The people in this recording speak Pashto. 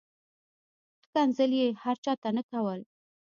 ښکنځل یې هر چاته نه کول.